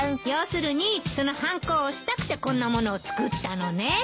要するにそのはんこを押したくてこんなものを作ったのね。